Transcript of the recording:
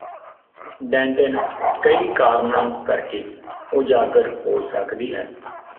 ਡੈਂਟਿਨ ਕਈ ਕਾਰਨਾਂ ਕਰਕੇ ਉਜਾਗਰ ਹੋ ਸਕਦੀ ਹੈ